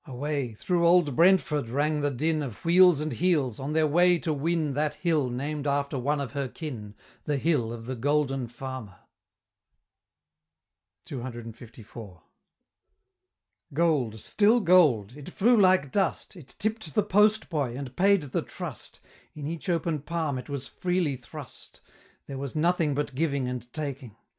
Away, through old Brentford rang the din Of wheels and heels, on their way to win That hill, named after one of her kin, The Hill of the Golden Farmer! CCLIV. Gold, still gold it flew like dust! It tipp'd the post boy, and paid the trust; In each open palm it was freely thrust; There was nothing but giving and taking!